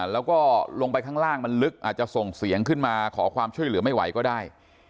แล้วก็ลงไปข้างล่างมันลึกอาจจะส่งเสียงขึ้นมาขอความช่วยเหลือไม่ไหวก็ได้